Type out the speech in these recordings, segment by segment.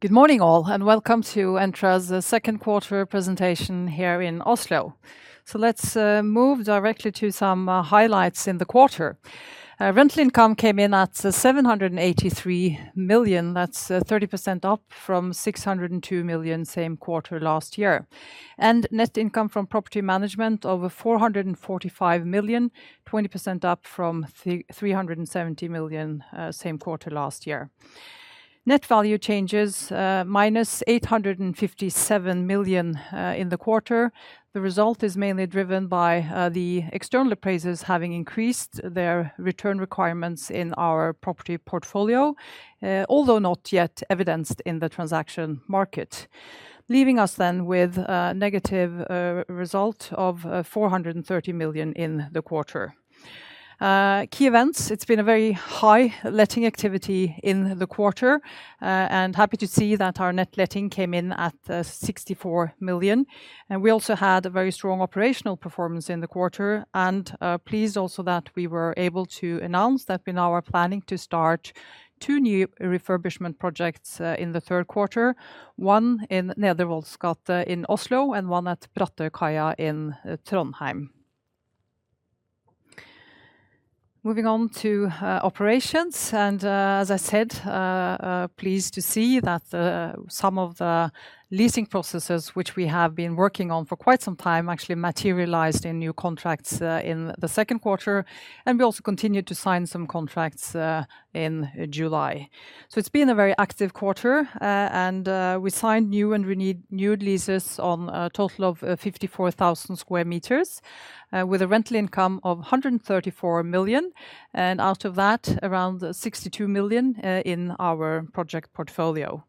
Good morning all, and welcome to Entra's second quarter presentation here in Oslo. Let's move directly to some highlights in the quarter. Rental income came in at 783 million. That's 30% up from 602 million same quarter last year. Net income from property management of 445 million, 20% up from 370 million same quarter last year. Net value changes -857 million in the quarter. The result is mainly driven by the external appraisers having increased their return requirements in our property portfolio, although not yet evidenced in the transaction market. Leaving us then with a negative result of 430 million in the quarter. Key events. It's been a very high letting activity in the quarter. Happy to see that our net letting came in at 64 million. We also had a very strong operational performance in the quarter, and pleased also that we were able to announce that we now are planning to start two new refurbishment projects in the third quarter, one in Nedre Vollgate in Oslo and one at Brattørkaia in Trondheim. Moving on to operations, as I said, pleased to see that some of the leasing processes which we have been working on for quite some time actually materialized in new contracts in the second quarter, and we also continued to sign some contracts in July. It's been a very active quarter. We signed new and renewed leases on a total of 54,000 square meters with a rental income of 134 million. Out of that, around 62 million in our project portfolio.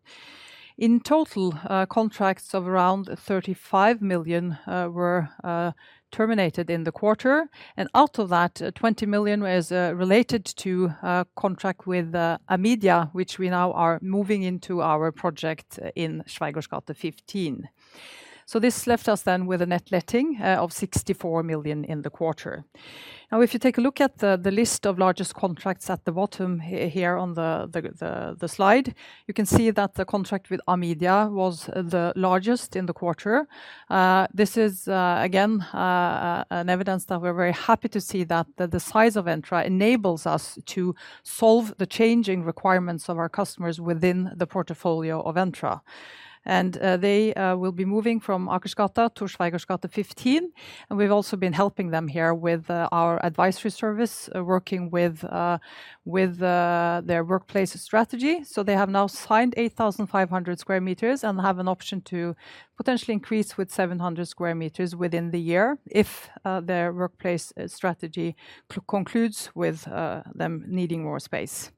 In total, contracts of around 35 million were terminated in the quarter. Out of that, 20 million was related to a contract with Amedia, which we now are moving into our project in Schweigaards gate 15. This left us then with a net letting of 64 million in the quarter. If you take a look at the list of largest contracts at the bottom here on the slide, you can see that the contract with Amedia was the largest in the quarter. This is again an evidence that we're very happy to see that the size of Entra enables us to solve the changing requirements of our customers within the portfolio of Entra. They will be moving from Akersgata to Schweigaards gate 15. We've also been helping them here with our advisory service, working with their workplace strategy. They have now signed 8,500 square meters and have an option to potentially increase with 700 square meters within the year if their workplace strategy concludes with them needing more space.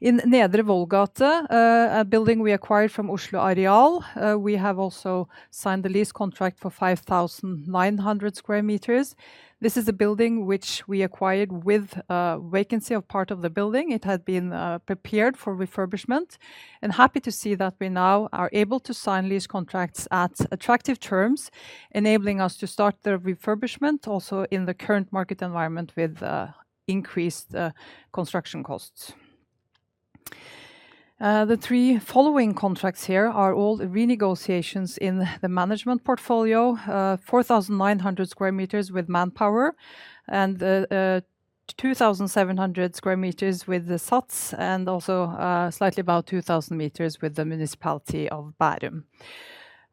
In Nedre Vollgate, a building we acquired from Oslo Areal, we have also signed a lease contract for 5,900 square meters. This is a building which we acquired with a vacancy of part of the building. It had been prepared for refurbishment, and happy to see that we now are able to sign lease contracts at attractive terms, enabling us to start the refurbishment also in the current market environment with increased construction costs. The three following contracts here are all renegotiations in the management portfolio, 4,900 square meters with Manpower and 2,700 square meters with the SATS and also slightly about 2,000 square meters with the Municipality of Bærum.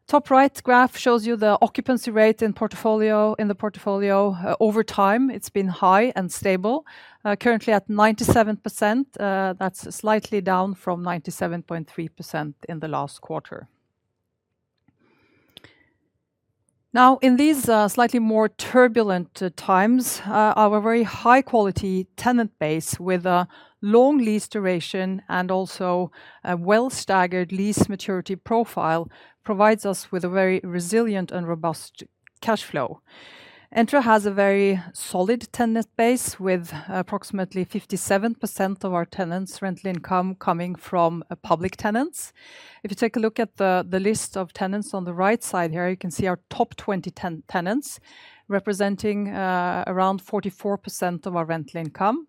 Top right graph shows you the occupancy rate in the portfolio over time. It's been high and stable, currently at 97%. That's slightly down from 97.3% in the last quarter. Now, in these slightly more turbulent times, our very high-quality tenant base with a long lease duration and also a well staggered lease maturity profile provides us with a very resilient and robust cash flow. Entra has a very solid tenant base, with approximately 57% of our tenants' rental income coming from public tenants. If you take a look at the list of tenants on the right side here, you can see our top 20 tenants representing around 44% of our rental income.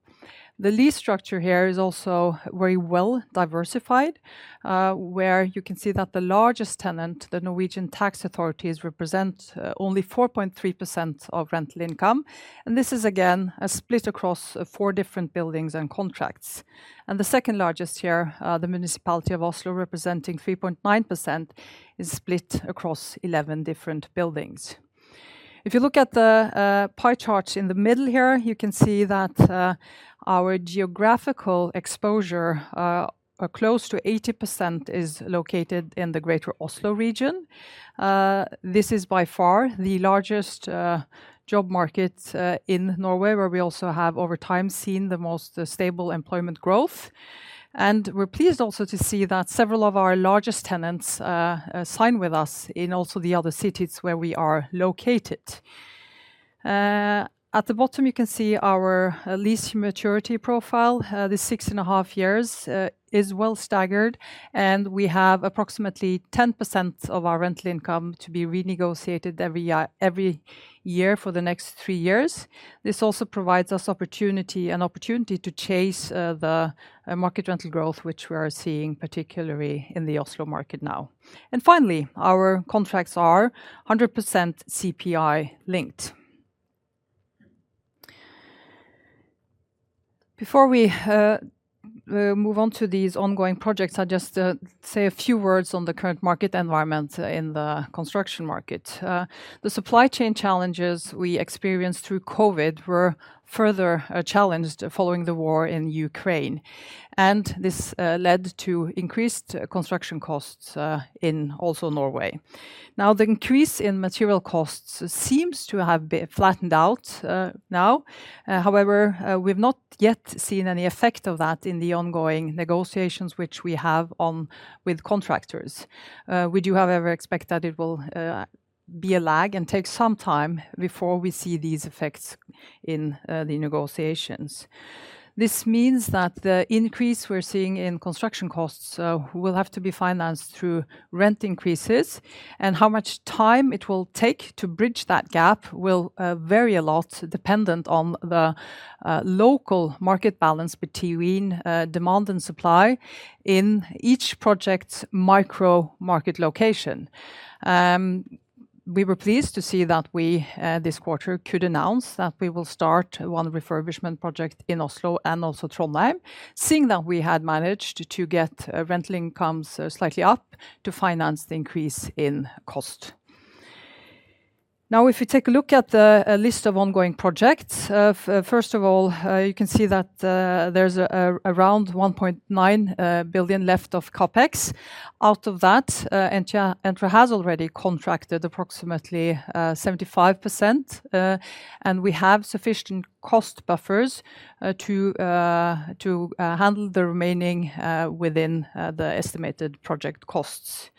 The lease structure here is also very well diversified, where you can see that the largest tenant, the Norwegian Tax Administration, represent only 4.3% of rental income. This is again split across four different buildings and contracts. The second largest here, the Oslo Municipality, representing 3.9%, is split across 11 different buildings. If you look at the pie charts in the middle here, you can see that our geographical exposure, close to 80% is located in the greater Oslo region. This is by far the largest job market in Norway, where we also have over time seen the most stable employment growth. We're pleased also to see that several of our largest tenants sign with us in also the other cities where we are located. At the bottom, you can see our lease maturity profile. The 6.5 years is well staggered, and we have approximately 10% of our rental income to be renegotiated every year for the next three years. This also provides us an opportunity to chase the market rental growth which we are seeing particularly in the Oslo market now. Finally, our contracts are 100% CPI linked. Before we move on to these ongoing projects, I just say a few words on the current market environment in the construction market. The supply chain challenges we experienced through COVID were further challenged following the war in Ukraine, and this led to increased construction costs in Oslo, Norway. Now, the increase in material costs seems to have flattened out now. However, we've not yet seen any effect of that in the ongoing negotiations which we have with contractors. We do however expect that it will be a lag and take some time before we see these effects in the negotiations. This means that the increase we're seeing in construction costs will have to be financed through rent increases. How much time it will take to bridge that gap will vary a lot dependent on the local market balance between demand and supply in each project's micro-market location. We were pleased to see that we this quarter could announce that we will start one refurbishment project in Oslo and also Trondheim, seeing that we had managed to get rental incomes slightly up to finance the increase in cost. Now, if you take a look at the list of ongoing projects, first of all, you can see that there's around 1.9 billion left of CapEx. Out of that, Entra has already contracted approximately 75%. We have sufficient cost buffers to handle the remaining within the estimated project costs.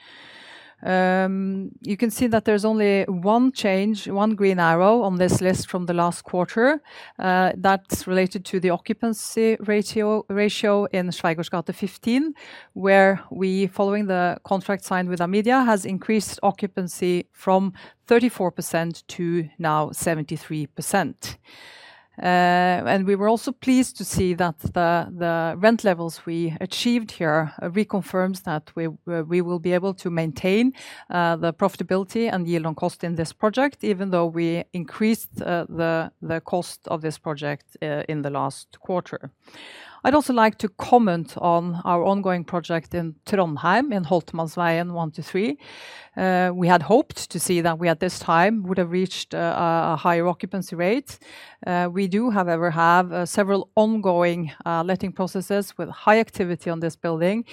You can see that there's only one change, one green arrow on this list from the last quarter. That's related to the occupancy ratio in Schweigaards gate 15, where we, following the contract signed with Amedia, has increased occupancy from 34% to now 73%. We were also pleased to see that the rent levels we achieved here reconfirms that we will be able to maintain the profitability and yield on cost in this project, even though we increased the cost of this project in the last quarter. I'd also like to comment on our ongoing project in Trondheim, in Holtermanns veg 1-3. We had hoped to see that we at this time would have reached a higher occupancy rate. We do, however, have several ongoing letting processes with high activity on this building.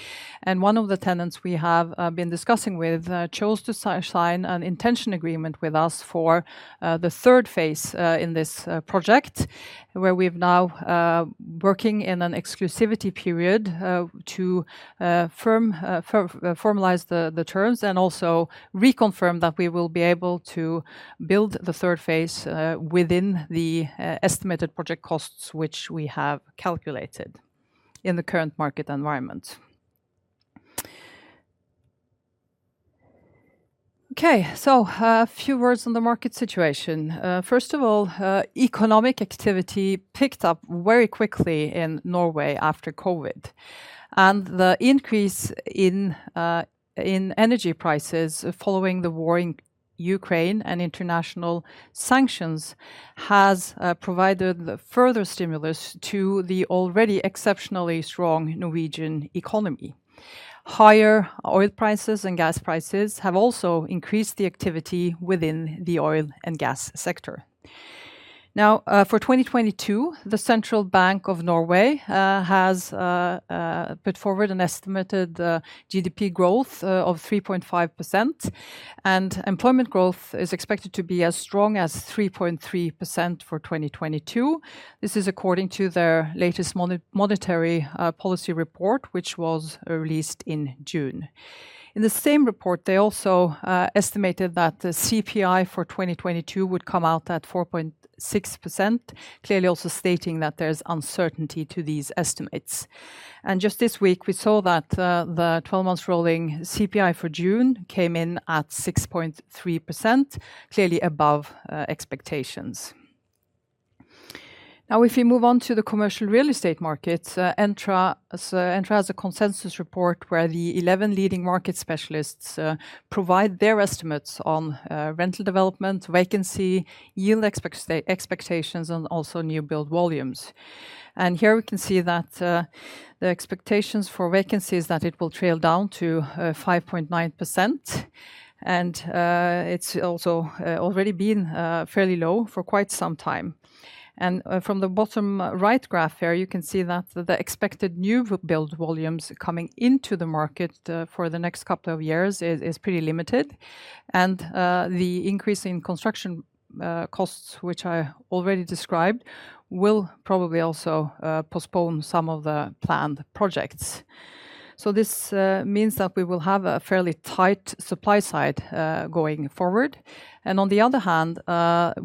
One of the tenants we have been discussing with chose to sign an intention agreement with us for the third phase in this project, where we've now working in an exclusivity period to formalize the terms and also reconfirm that we will be able to build the third phase within the estimated project costs which we have calculated in the current market environment. Okay. A few words on the market situation. First of all, economic activity picked up very quickly in Norway after COVID.The increase in energy prices following the war in Ukraine and international sanctions has provided further stimulus to the already exceptionally strong Norwegian economy. Higher oil prices and gas prices have also increased the activity within the oil and gas sector. Now, for 2022, the central bank of Norway has put forward an estimated GDP growth of 3.5%, and employment growth is expected to be as strong as 3.3% for 2022. This is according to their latest monetary policy report, which was released in June. In the same report, they also estimated that the CPI for 2022 would come out at 4.6%, clearly also stating that there's uncertainty to these estimates. Just this week, we saw that the 12-month rolling CPI for June came in at 6.3%, clearly above expectations. Now, if we move on to the commercial real estate market, Entra, so Entra has a consensus report where the 11 leading market specialists provide their estimates on rental development, vacancy, yield expectations, and also new build volumes. Here we can see that the expectations for vacancy is that it will trail down to 5.9%, and it's also already been fairly low for quite some time. From the bottom right graph here, you can see that the expected new build volumes coming into the market for the next couple of years is pretty limited. The increase in construction costs, which I already described, will probably also postpone some of the planned projects. This means that we will have a fairly tight supply side going forward. On the other hand,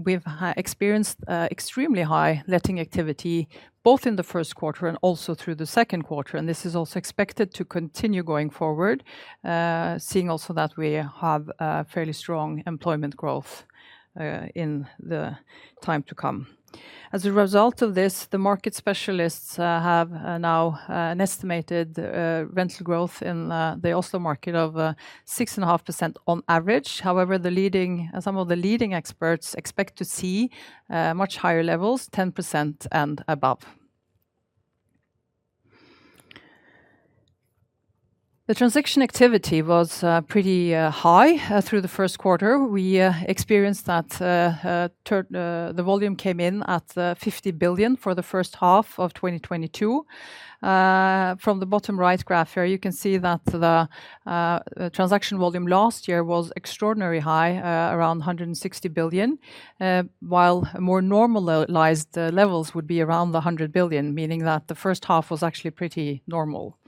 we've experienced extremely high letting activity, both in the first quarter and also through the second quarter. This is also expected to continue going forward, seeing also that we have a fairly strong employment growth in the time to come. As a result of this, the market specialists have now an estimated rental growth in the Oslo market of 6.5% on average. However, some of the leading experts expect to see much higher levels, 10% and above. The transaction activity was pretty high through the first quarter. The volume came in at 50 billion for the first half of 2022. From the bottom right graph here, you can see that the transaction volume last year was extraordinarily high, around 160 billion, while more normalized levels would be around 100 billion, meaning that the first half was actually pretty normal.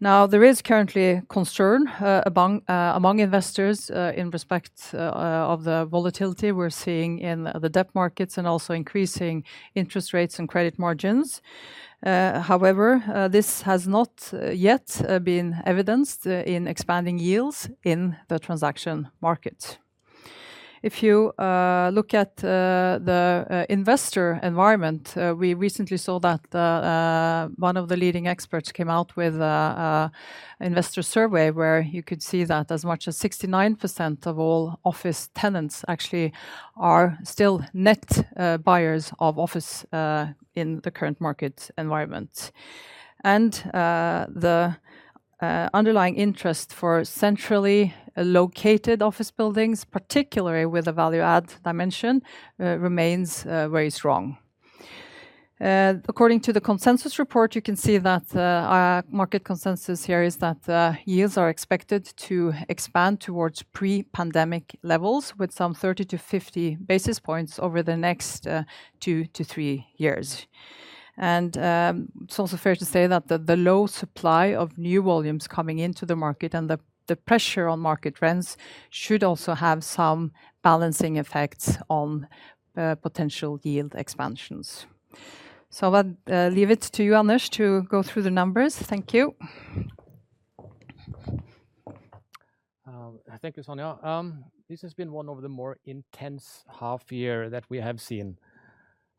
Now, there is currently concern among investors in respect of the volatility we're seeing in the debt markets and also increasing interest rates and credit margins. However, this has not yet been evidenced in expanding yields in the transaction market. If you look at the investor environment, we recently saw that one of the leading experts came out with an investor survey where you could see that as much as 69% of all office tenants actually are still net buyers of office in the current market environment. The underlying interest for centrally located office buildings, particularly with a value-add dimension, remains very strong. According to the consensus report, you can see that our market consensus here is that yields are expected to expand towards pre-pandemic levels with some 30-50 basis points over the next two to three years. It's also fair to say that the low supply of new volumes coming into the market and the pressure on market rents should also have some balancing effects on potential yield expansions. I'll leave it to you, Anders, to go through the numbers. Thank you. Thank you, Sonja. This has been one of the more intense half-year that we have seen.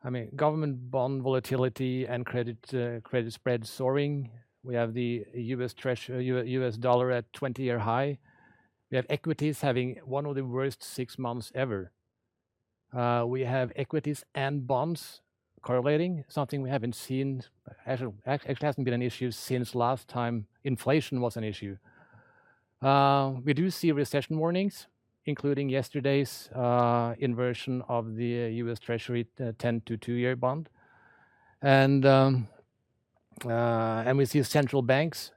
I mean, government bond volatility and credit spread soaring. We have the U.S. dollar at 20-year high. We have equities having one of the worst six months ever. We have equities and bonds correlating, something we haven't seen, actually hasn't been an issue since last time inflation was an issue. We do see recession warnings, including yesterday's inversion of the U.S. Treasury 10- to two-year bond. We see central banks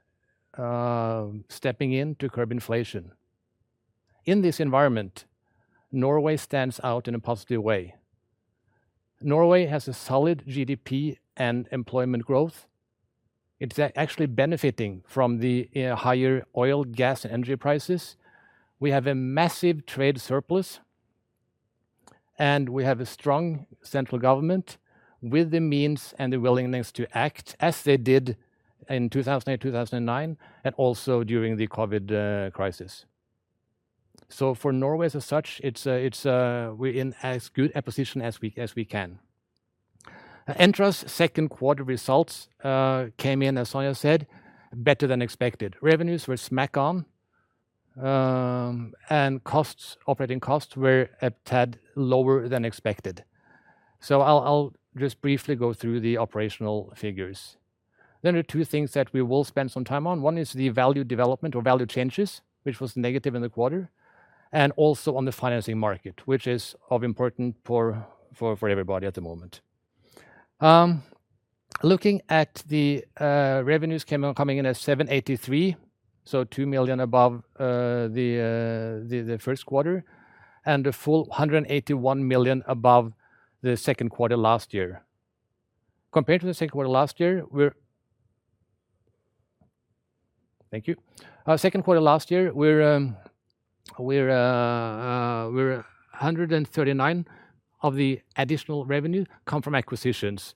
stepping in to curb inflation. In this environment, Norway stands out in a positive way. Norway has a solid GDP and employment growth. It's actually benefiting from the higher oil, gas, energy prices. We have a massive trade surplus, and we have a strong central government with the means and the willingness to act as they did in 2008, 2009, and also during the COVID crisis. For Norway as such, we're in as good a position as we can. Entra's second quarter results came in, as Sonja said, better than expected. Revenues were smack on, and costs, operating costs were a tad lower than expected. I'll just briefly go through the operational figures. There are two things that we will spend some time on. One is the value development or value changes, which was negative in the quarter, and also on the financing market, which is of importance for everybody at the moment. Looking at the revenues coming in at 783 million, so 2 million above the first quarter, and a full 181 million above the second quarter last year. Compared to the second quarter last year, 139 million of the additional revenue come from acquisitions.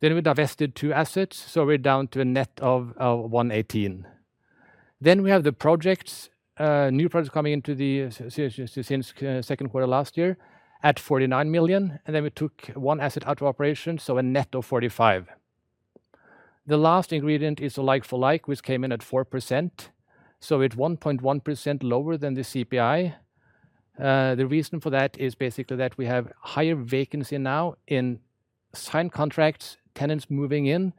We divested two assets, so we're down to a net of 118 million. We have the projects, new projects coming into service since second quarter last year at 49 million, and we took one asset out of operation, so a net of 45 million. The last ingredient is the like-for-like, which came in at 4%, so at 1.1% lower than the CPI. The reason for that is basically that we have higher vacancy now in signed contracts, tenants moving in,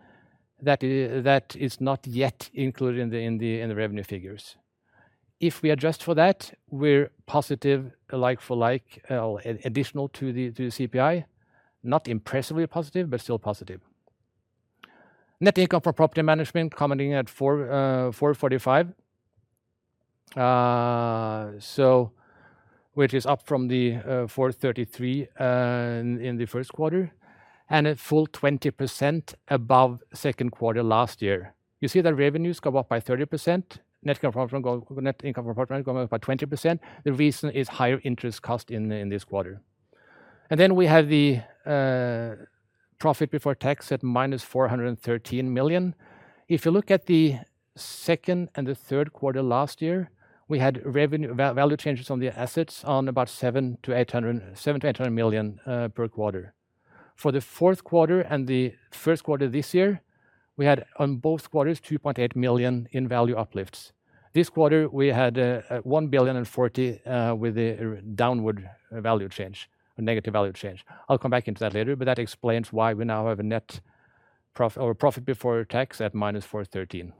that is not yet included in the revenue figures. If we adjust for that, we're positive like-for-like, additional to the CPI. Not impressively positive, but still positive. Net income from property management coming in at 445 million. Which is up from the 433 in the first quarter, and a full 20% above second quarter last year. You see the revenues go up by 30%. Net income from property management going up by 20%. The reason is higher interest cost in this quarter. Then we have the profit before tax at -413 million. If you look at the second and the third quarter last year, we had value changes on the assets of about 700-800 million per quarter. For the fourth quarter and the first quarter this year, we had on both quarters 2.8 million in value uplifts. This quarter, we had 1.04 billion with a downward value change or negative value change. I'll come back into that later, but that explains why we now have a profit before tax at -413.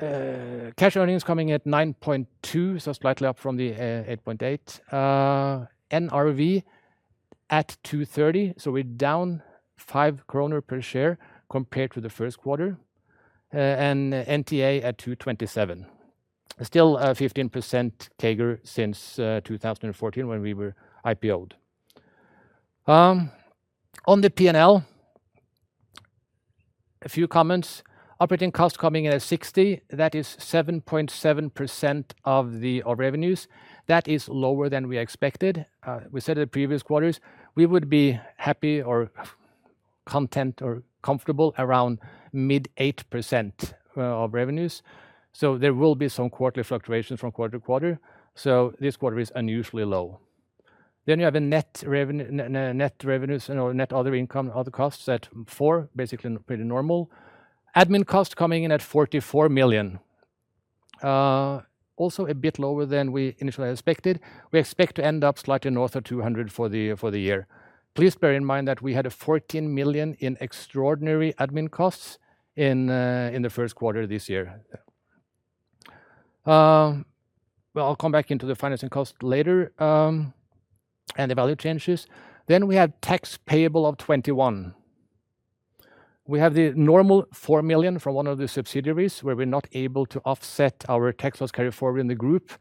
Cash earnings coming at 9.2%, so slightly up from the 8.8%. NRV at 230, so we're down 5 kroner per share compared to the first quarter. NTA at 227. Still, 15% CAGR since 2014 when we were IPO'd. On the P&L, a few comments. Operating costs coming in at 60 million, that is 7.7% of our revenues. That is lower than we expected. We said in the previous quarters, we would be happy or content or comfortable around mid-8% of revenues. There will be some quarterly fluctuations from quarter to quarter, so this quarter is unusually low. You have net revenues and our net other income, other costs at 4 million, basically pretty normal. Admin costs coming in at 44 million. Also a bit lower than we initially expected. We expect to end up slightly north of 200 million for the year. Please bear in mind that we had 14 million in extraordinary admin costs in the first quarter this year. Well, I'll come back to the financing cost later, and the value changes. We have tax payable of 21 million. We have the normal 4 million from one of the subsidiaries where we're not able to offset our tax loss carry forward in the group,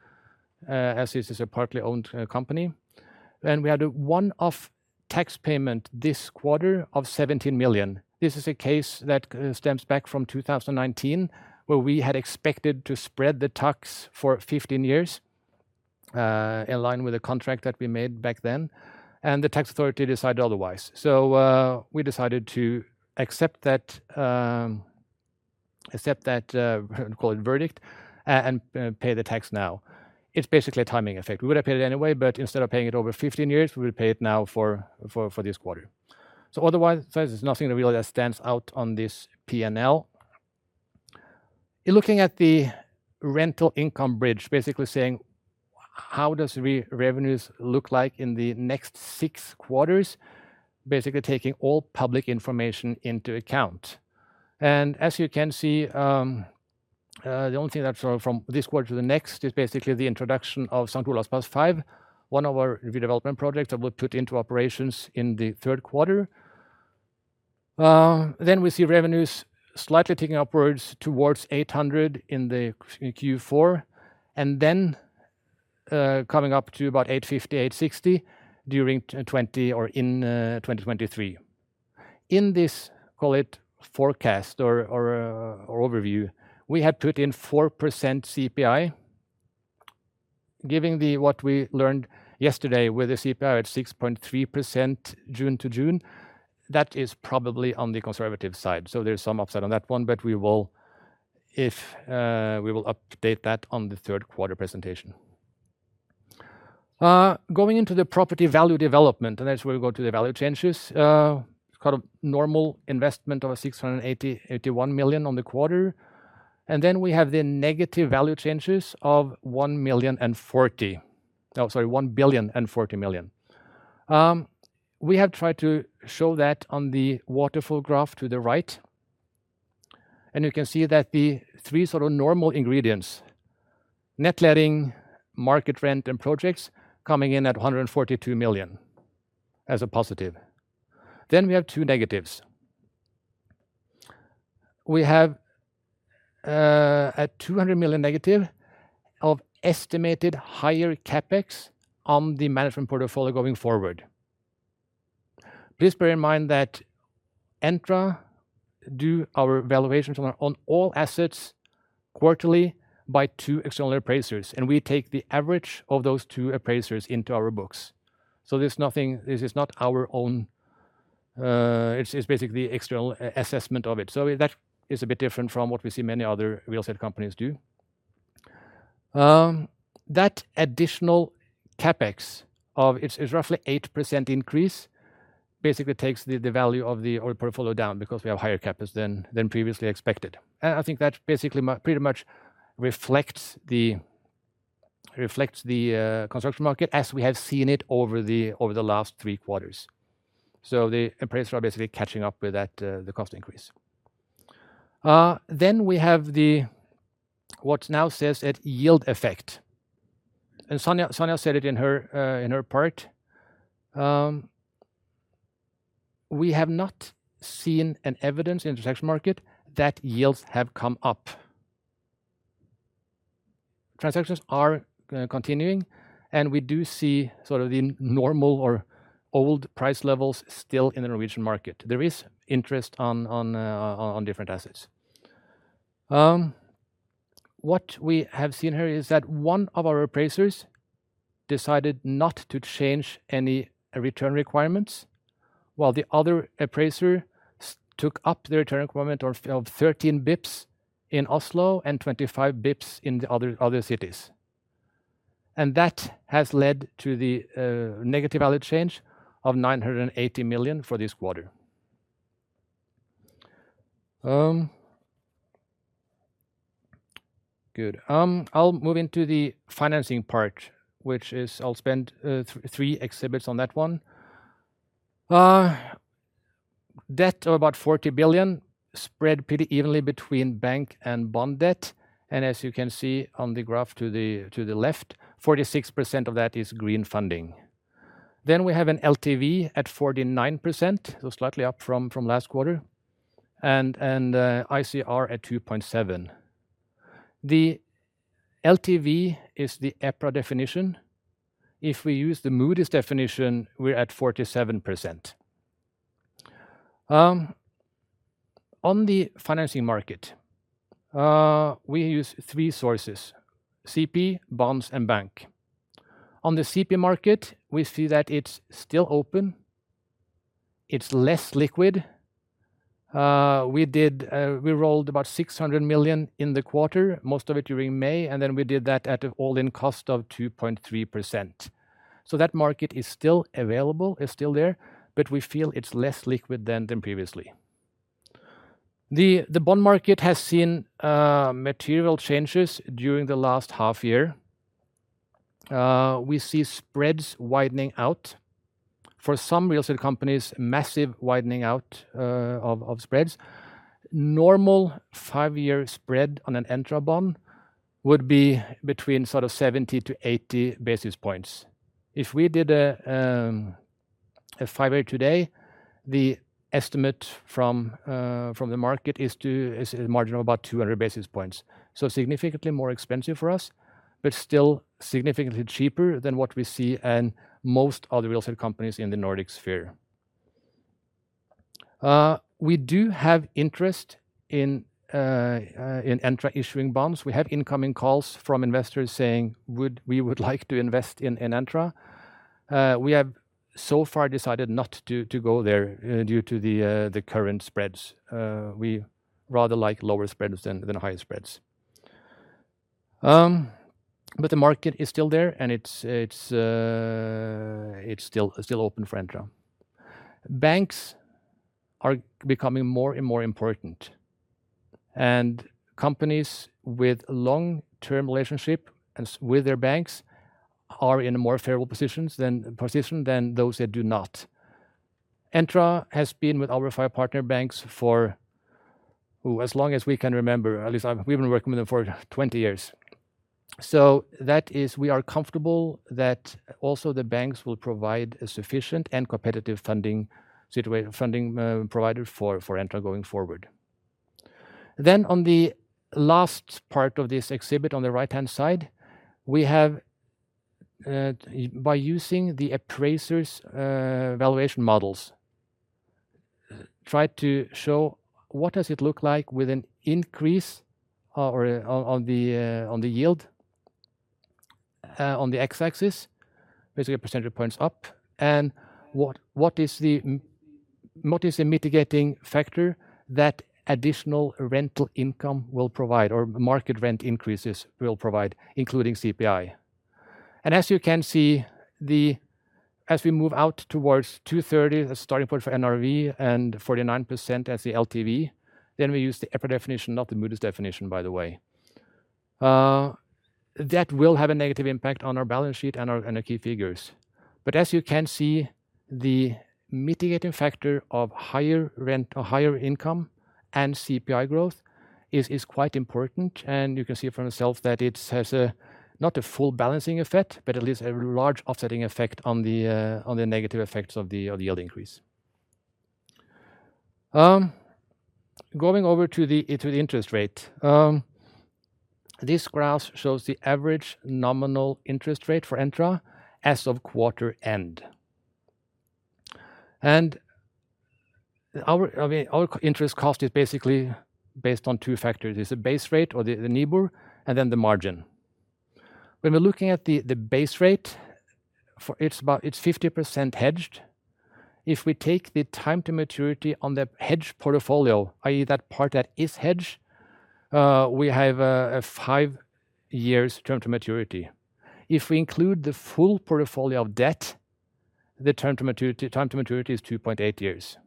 as this is a partly owned company. We had a one-off tax payment this quarter of 17 million. This is a case that stems back from 2019, where we had expected to spread the tax for 15 years in line with the contract that we made back then, and the tax authority decided otherwise. We decided to accept that, call it a verdict, and pay the tax now. It's basically a timing effect. We would have paid it anyway, but instead of paying it over 15 years, we will pay it now for this quarter. Otherwise, there's nothing really that stands out on this P&L. In looking at the rental income bridge, basically saying, how does revenues look like in the next six quarters, basically taking all public information into account. As you can see, the only thing that's from this quarter to the next is basically the introduction of St. Olavs plass 5, one of our redevelopment projects that we'll put into operations in the third quarter. We see revenues slightly ticking upwards towards 800 in the Q4 and then coming up to about 850, 860 during 2020 or in 2023. In this, call it forecast or overview, we have put in 4% CPI. Given what we learned yesterday with the CPI at 6.3% June to June, that is probably on the conservative side. There's some upside on that one, but we will update that on the third quarter presentation. Going into the property value development, that's where we go to the value changes. It's called a normal investment of 681 million on the quarter. We have the negative value changes of 1,040 million. We have tried to show that on the waterfall graph to the right. You can see that the three sort of normal ingredients, net letting, market rent, and projects coming in at 142 million as a positive. We have two negatives. We have a -200 million of estimated higher CapEx on the management portfolio going forward. Please bear in mind that Entra do our valuations on all assets quarterly by two external appraisers, and we take the average of those two appraisers into our books. So, there's nothing. This is not our own, it's basically external assessment of it. So that is a bit different from what we see many other real estate companies do. That additional CapEx of. It's roughly 8% increase, basically takes the value of our portfolio down because we have higher CapEx than previously expected. I think that basically pretty much reflects the construction market as we have seen it over the last three quarters. The appraisers are basically catching up with that, the cost increase. We have the, what now says is the yield effect. Sonja said it in her part. We have not seen any evidence in the transaction market that yields have come up. Transactions are continuing, and we do see sort of the normal or old price levels still in the Norwegian market. There is interest on different assets. What we have seen here is that one of our appraisers decided not to change any return requirements, while the other appraiser took up the return requirement of 13 BPS in Oslo and 25 BPS in the other cities. That has led to the negative value change of 980 million for this quarter. I'll move into the financing part, which is I'll spend three exhibits on that one. Debt of about 40 billion spread pretty evenly between bank and bond debt. As you can see on the graph to the left, 46% of that is green funding. We have an LTV at 49%, slightly up from last quarter, and ICR at 2.7. The LTV is the EPRA definition. If we use the Moody's definition, we're at 47%. On the financing market, we use three sources: CP, bonds, and bank. On the CP market, we see that it's still open. It's less liquid. We did. We rolled about 600 million in the quarter, most of it during May, and then we did that at an all-in cost of 2.3%. That market is still available, it's still there, but we feel it's less liquid than previously. The bond market has seen material changes during the last half year. We see spreads widening out. For some real estate companies, massive widening out of spreads. Normal five-year spread on an Entra bond would be between sort of 70-80 basis points. If we did a five-year today, the estimate from the market is a margin of about 200 basis points. Significantly more expensive for us, but still significantly cheaper than what we see in most other real estate companies in the Nordic sphere. We do have interest in Entra issuing bonds. We have incoming calls from investors saying, "We would like to invest in Entra." We have so far decided not to go there due to the current spreads. We rather like lower spreads than higher spreads. The market is still there, and it's still open for Entra. Banks are becoming more and more important. Companies with long-term relationship with their banks are in a more favorable position than those that do not. Entra has been with our five partner banks for as long as we can remember. We've been working with them for 20 years. We are comfortable that also the banks will provide a sufficient and competitive funding provided for Entra going forward. On the last part of this exhibit on the right-hand side, we have by using the appraiser's valuation models tried to show what does it look like with an increase or on the yield on the x-axis, basically a percentage points up, and what is the mitigating factor that additional rental income will provide or market rent increases will provide, including CPI. As you can see, as we move out towards 230, the starting point for NRV and 49% as the LTV, we use the EPRA definition, not the Moody's definition, by the way. That will have a negative impact on our balance sheet and our key figures. As you can see, the mitigating factor of higher rent or higher income and CPI growth is quite important. You can see for yourself that it has a not a full balancing effect, but at least a large offsetting effect on the negative effects of the yield increase. Going over to the interest rate. This graph shows the average nominal interest rate for Entra as of quarter end. Our, I mean, our interest cost is basically based on two factors. There's a base rate or the NIBOR, and then the margin. When we're looking at the base rate for... it's about 50% hedged. If we take the time to maturity on the hedged portfolio, i.e. That part that is hedged, we have a five-year term to maturity. If we include the full portfolio of debt, the term to maturity, time to maturity is 2.8 years.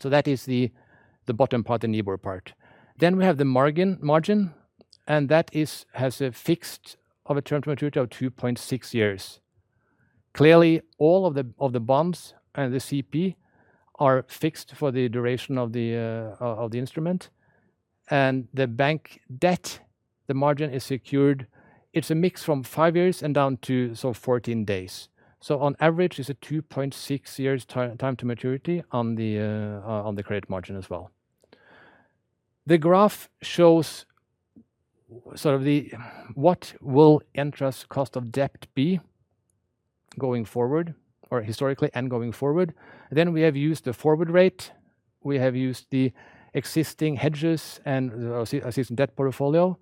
That is the bottom part, the NIBOR part. We have the margin, and that has a fixed term to maturity of 2.6 years. Clearly, all the bonds and the CP are fixed for the duration of the instrument. The bank debt, the margin is secured. It's a mix from five years and down to sort of 14 days. On average, it's a 2.6 years time to maturity on the credit margin as well. The graph shows sort of what will Entra's cost of debt be going forward or historically and going forward. We have used the forward rate, we have used the existing hedges and the existing debt portfolio,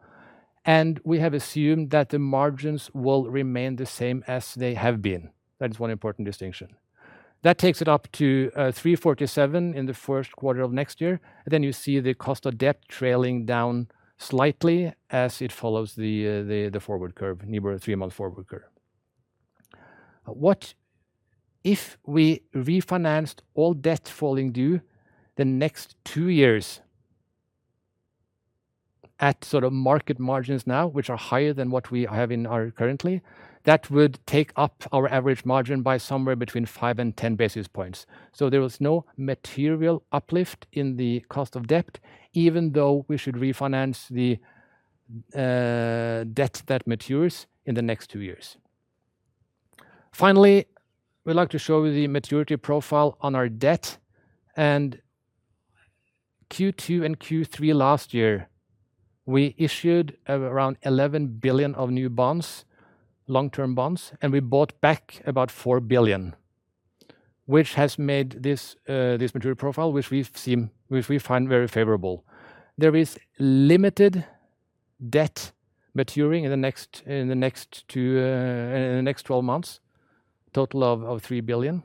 and we have assumed that the margins will remain the same as they have been. That is one important distinction. That takes it up to 347 in the first quarter of next year. You see the cost of debt trailing down slightly as it follows the forward curve, NIBOR three-month forward curve. What if we refinanced all debt falling due the next two years at sort of market margins now, which are higher than what we have currently, that would take up our average margin by somewhere between 5 and 10 basis points. There is no material uplift in the cost of debt, even though we should refinance the debt that matures in the next two years. Finally, we'd like to show you the maturity profile on our debt. Q2 and Q3 last year, we issued around 11 billion of new bonds, long-term bonds, and we bought back about 4 billion, which has made this maturity profile, which we find very favorable. There is limited debt maturing in the next twelve months, total of 3 billion.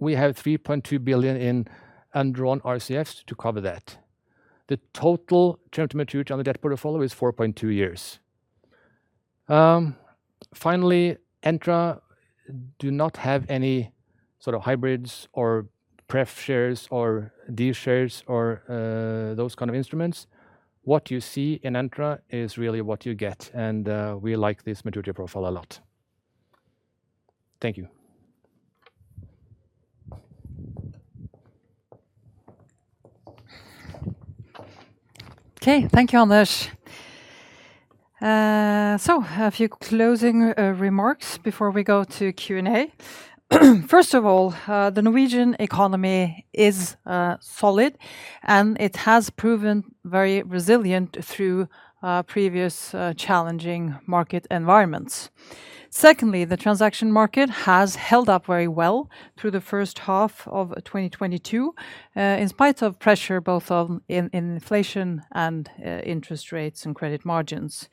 We have 3.2 billion in undrawn RCFs to cover that. The total term to maturity on the debt portfolio is 4.2 years. Finally, Entra do not have any sort of hybrids or pref shares or D-shares or those kinds of instruments. What you see in Entra is really what you get, and we like this maturity profile a lot. Thank you. Okay. Thank you, Anders. So a few closing remarks before we go to Q&A. First of all, the Norwegian economy is solid, and it has proven very resilient through previous challenging market environments. Secondly, the transaction market has held up very well through the first half of 2022, in spite of pressure both in inflation and interest rates and credit margins.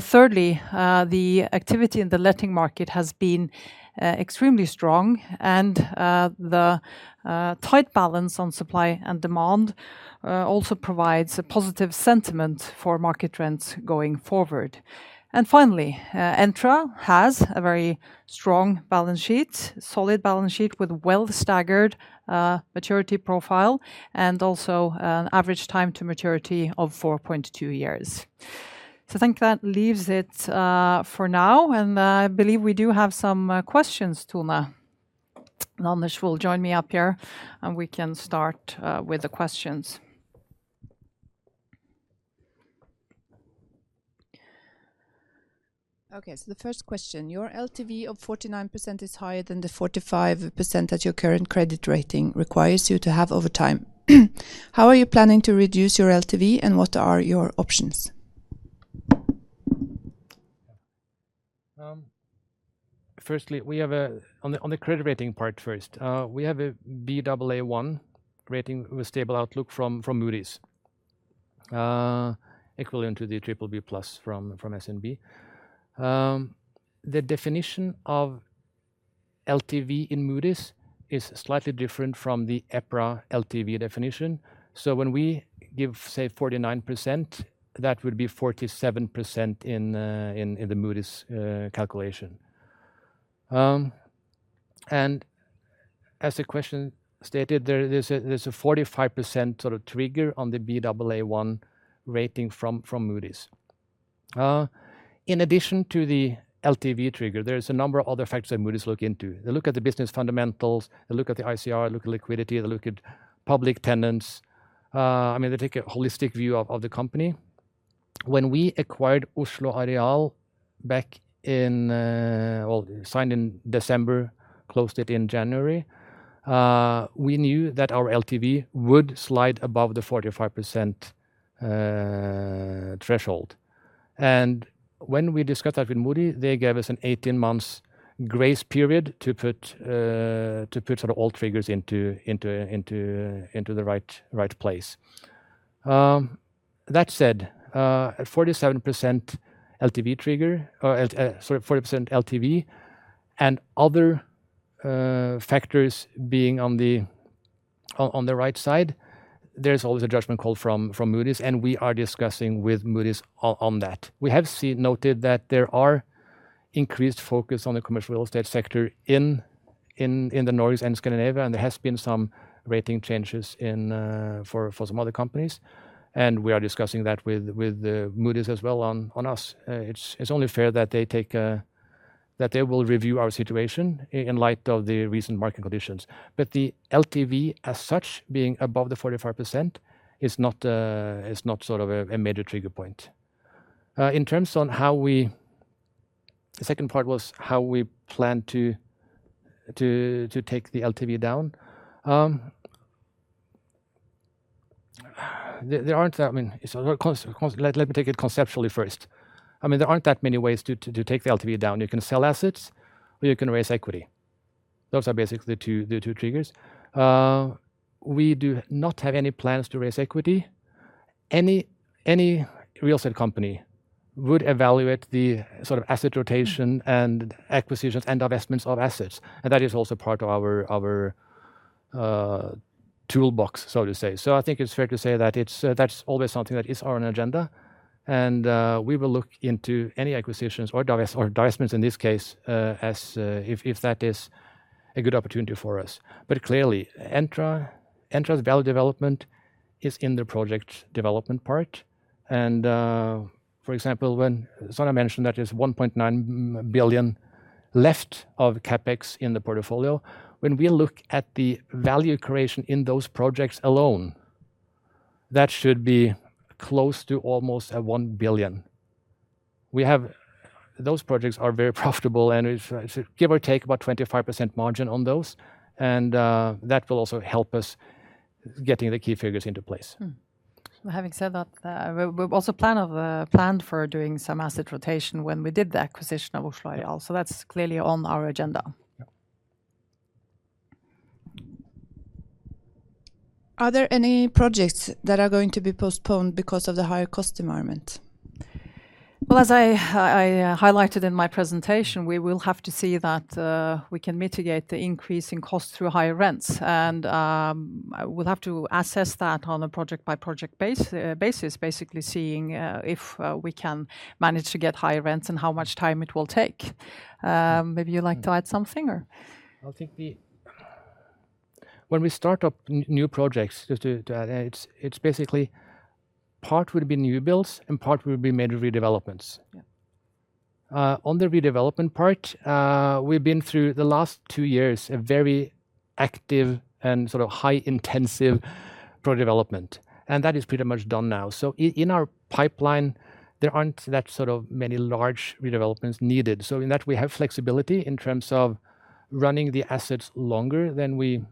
Thirdly, the activity in the letting market has been extremely strong and the tight balance on supply and demand also provides a positive sentiment for market trends going forward. Finally, Entra has a very strong balance sheet, solid balance sheet with well staggered maturity profile and also an average time to maturity of 4.2 years. I think that leaves it for now, and I believe we do have some questions, Tone. Anders will join me up here, and we can start with the questions. Okay. The first question. Your LTV of 49% is higher than the 45% that your current credit rating requires you to have over time. How are you planning to reduce your LTV, and what are your options? On the credit rating part first, we have a Baa1 rating with stable outlook from Moody's, equivalent to the BBB+ from S&P. The definition of LTV in Moody's is slightly different from the EPRA LTV definition. When we give, say, 49%, that would be 47% in the Moody's calculation. As the question stated, there's a 45% sort of trigger on the Baa1 rating from Moody's. In addition to the LTV trigger, there's a number of other factors that Moody's look into. They look at the business fundamentals, they look at the ICR, look at liquidity, they look at public tenants. I mean, they take a holistic view of the company. When we acquired Oslo Areal back in, well, signed in December, closed it in January, we knew that our LTV would slide above the 45% threshold. When we discussed that with Moody's, they gave us an 18-months grace period to put sort of all triggers into the right place. That said, at 47% LTV trigger or at 40% LTV and other factors being on the right side, there's always a judgment call from Moody's, and we are discussing with Moody's on that. We have noted that there are increased focus on the commercial real estate sector in the Nordics and Scandinavia, and there has been some rating changes for some other companies, and we are discussing that with Moody's as well on us. It's only fair that they will review our situation in light of the recent market conditions. The LTV as such, being above 45% is not sort of a major trigger point. The second part was how we plan to take the LTV down. Let me take it conceptually first. I mean, there aren't that many ways to take the LTV down. You can sell assets, or you can raise equity. Those are basically the two triggers. We do not have any plans to raise equity. Any real estate company would evaluate the sort of asset rotation and acquisitions and divestments of assets, and that is also part of our toolbox, so to say. I think it's fair to say that that's always something that is on agenda, and we will look into any acquisitions or divestments, in this case, as if that is a good opportunity for us. But clearly, Entra's value development is in the project development part and, for example, when Sonja mentioned that is 1.9 billion left of CapEx in the portfolio. When we look at the value creation in those projects alone, that should be close to almost 1 billion. Those projects are very profitable, and it should give or take about 25% margin on those and that will also help us getting the key figures into place. Well, having said that, we also planned for doing some asset rotation when we did the acquisition of Oslo Areal, so that's clearly on our agenda. Yeah. Are there any projects that are going to be postponed because of the higher cost environment? Well, as I highlighted in my presentation, we will have to see that we can mitigate the increase in cost through higher rents and we'll have to assess that on a project-by-project basis, basically seeing if we can manage to get higher rents and how much time it will take. Maybe you'd like to add something. I think. When we start up new projects to add, it's basically part would be new builds, and part would be major redevelopments. Yeah. On the redevelopment part, we've been through the last two years a very active and sort of high-intensive pro-development, and that is pretty much done now. In our pipeline, there aren't that sort of many large redevelopments needed. In that, we have flexibility in terms of running the assets longer than we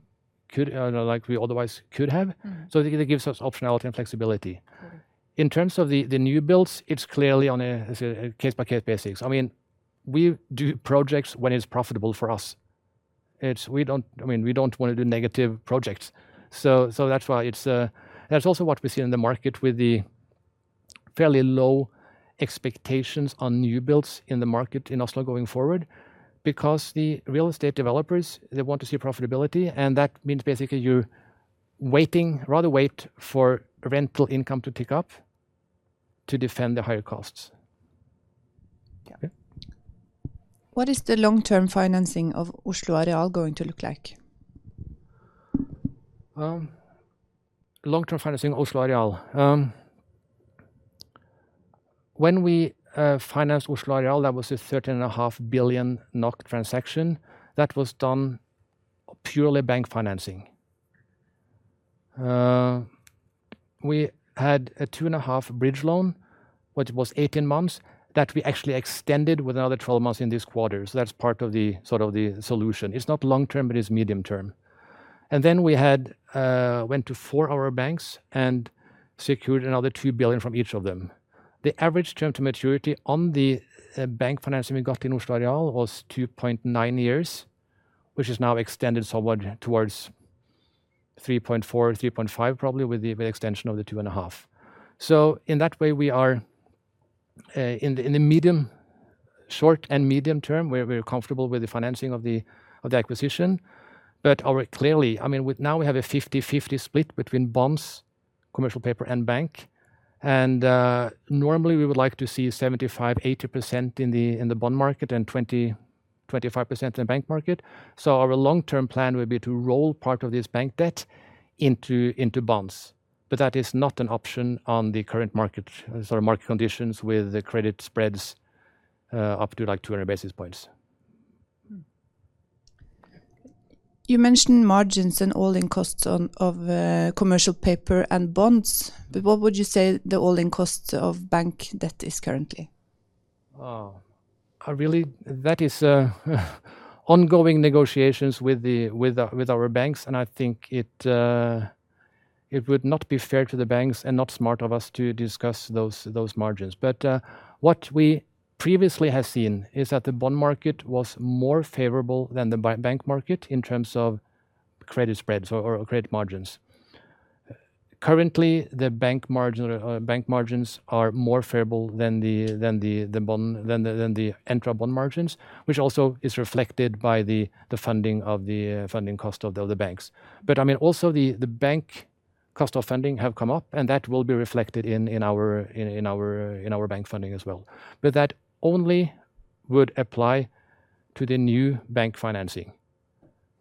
could, like we otherwise could have. Mm. It gives us optionality and flexibility. Mm. In terms of the new builds, it's clearly on a case-by-case basis. I mean, we do projects when it's profitable for us. I mean, we don't wanna do negative projects. That's why it's. That's also what we see in the market with the fairly low expectations on new builds in the market in Oslo going forward. Because the real estate developers, they want to see profitability, and that means basically rather wait for rental income to pick up to defend the higher costs. Yeah. Yeah. What is the long-term financing of Oslo Areal going to look like? Long-term financing Oslo Areal. When we financed Oslo Areal, that was a 13.5 billion NOK transaction. That was done purely bank financing. We had a 2.5 bridge loan, which was 18 months, that we actually extended with another 12 months in this quarter. That's part of the, sort of the solution. It's not long-term, but it's medium-term. Then we had went to four of our banks and secured another 2 billion from each of them. The average term to maturity on the bank financing we got in Oslo Areal was 2.9 years, which is now extended somewhat towards 3.4-3.5 probably with the extension of the 2.5. In that way, we are in the short and medium term, we're comfortable with the financing of the acquisition. Clearly, I mean, now we have a 50-50 split between bonds, commercial paper, and bank. Normally we would like to see 75-80% in the bond market and 20-25% in bank market. Our long-term plan would be to roll part of this bank debt into bonds. But that is not an option on the current market, sort of market conditions with the credit spreads up to, like, 200 basis points. Mm. Yeah. You mentioned margins and all-in costs on commercial paper and bonds, but what would you say the all-in cost of bank debt is currently? Really, that is ongoing negotiations with our banks, and I think it would not be fair to the banks and not smart of us to discuss those margins. What we previously have seen is that the bond market was more favorable than the bank market in terms of credit spreads or credit margins. Currently, the bank margin or bank margins are more favorable than the Entra bond margins, which also is reflected by the funding cost of the other banks. I mean, also the bank cost of funding have come up and that will be reflected in our bank funding as well. That only would apply to the new bank financing.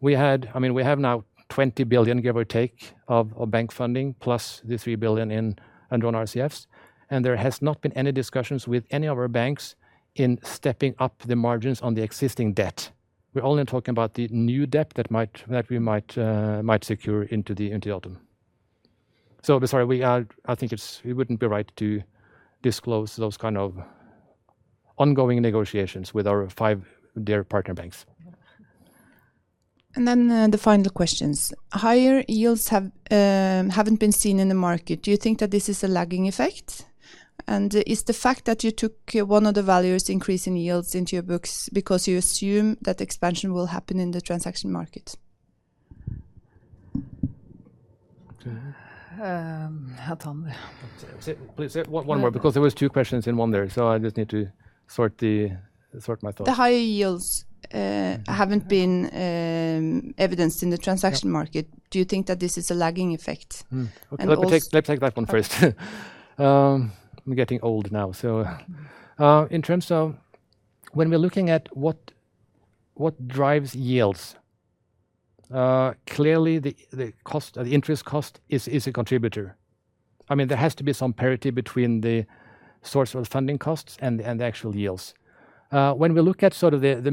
We had... I mean, we have now 20 billion, give or take, of bank funding plus the 3 billion in undrawn RCFs, and there has not been any discussions with any of our banks in stepping up the margins on the existing debt. We're only talking about the new debt that we might secure into the autumn. Sorry, we are. I think it wouldn't be right to disclose those kinds of ongoing negotiations with our five dear partner banks. The final questions. Higher yields haven't been seen in the market. Do you think that this is a lagging effect? Is the fact that you took one of the values increase in yields into your books because you assume that expansion will happen in the transaction market? Say, please say one more because there were two questions in one there, so I just need to sort my thoughts. The higher yields haven't been evidenced in the transaction market. Do you think that this is a lagging effect? Okay. Let's take that one first. I'm getting old now. In terms of when we're looking at what drives yields, clearly the cost or the interest cost is a contributor. I mean, there has to be some parity between the source of funding costs and the actual yields. When we look at sort of the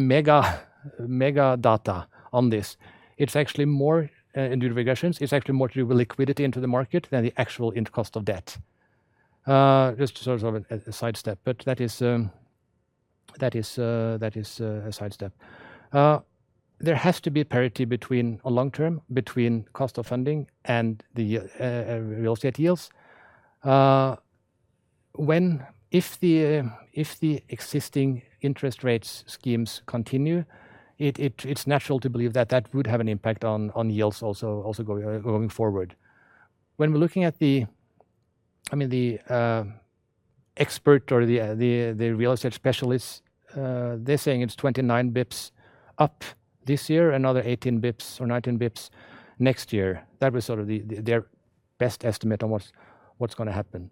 mega data on this, it's actually more. In the regressions, it's actually more to do with liquidity into the market than the actual net cost of debt. Just sort of a sidestep, but that is a sidestep. There has to be parity between long-term cost of funding and the real estate yields. If the existing interest rates schemes continue, it's natural to believe that would have an impact on yields also going forward. When we're looking at the I mean, the expert or the real estate specialists, they're saying it's 29 basis points up this year, another 18 basis points or 19 basis points next year. That was sort of their best estimate on what's gonna happen.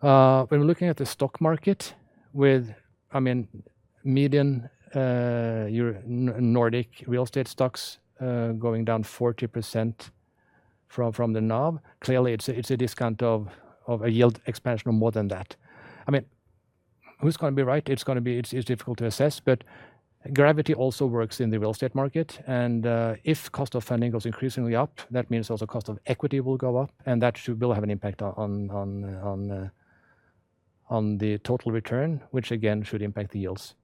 When looking at the stock market with I mean median Nordic real estate stocks going down 40% from the NAV, clearly, it's a discount of a yield expansion of more than that. I mean, who's gonna be right? It's difficult to assess, but gravity also works in the real estate market. If cost of funding goes increasingly up, that means also cost of equity will go up, and that will have an impact on the total return, which again should impact the yields.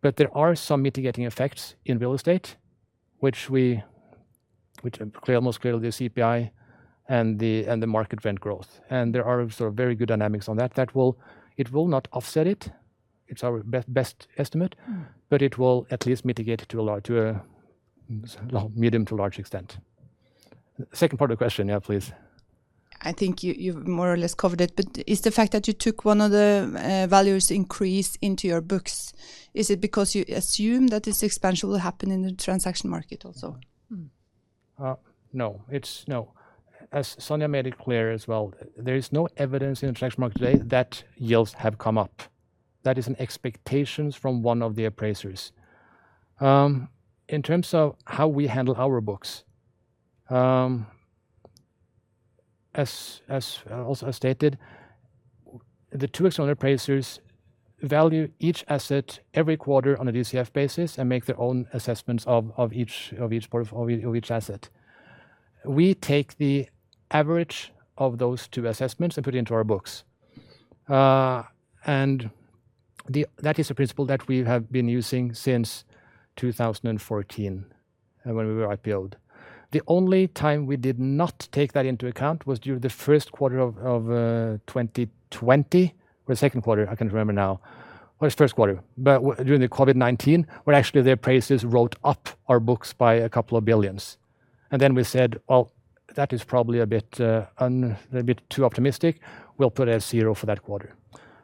But there are some mitigating effects in real estate, which are most clearly the CPI and the market rent growth. There is sort of very good dynamics on that. It will not offset it's our best estimate, but it will at least mitigate it to a sort of medium to large extent. Second part of the question. Yeah, please. I think you've more or less covered it, but is the fact that you took one of the values increase into your books because you assume that this expansion will happen in the transaction market also? No. As Sonja made it clear as well; there is no evidence in the transaction market today that yields have come up. That is an expectation from one of the appraisers. In terms of how we handle our books, as also I stated, the two external appraisers value each asset every quarter on a DCF basis and make their own assessments of each asset. We take the average of those two assessments and put into our books. That is a principle that we have been using since 2014, when we were IPO'd. The only time we did not take that into account was during the first quarter of 2020 or second quarter, I can't remember now, or its first quarter. During the COVID-19, when actually the appraisers wrote up our books by 2 billion. Then we said, "Well, that is probably a bit too optimistic. We'll put it as zero for that quarter."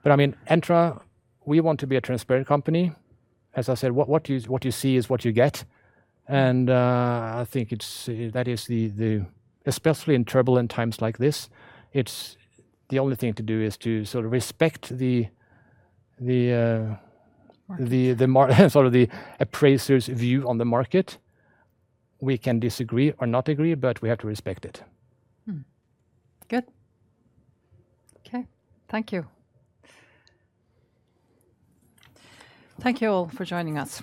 I mean, Entra, we want to be a transparent company. As I said, what you see is what you get. I think that is the especially in turbulent times like this, it's the only thing to do is to sort of respect the. Market The sort of the appraiser's view on the market. We can disagree or not agree, but we have to respect it. Good. Okay. Thank you. Thank you all for joining us.